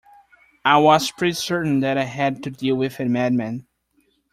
I was pretty certain that I had to deal with a madman.